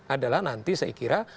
adalah nanti saya kira